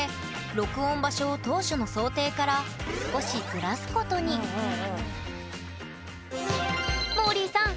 録音場所を当初の想定から少しずらすことにもーりーさん